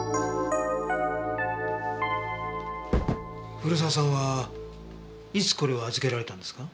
古沢さんはいつこれを預けられたんですか？